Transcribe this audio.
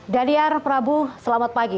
daliar prabu selamat pagi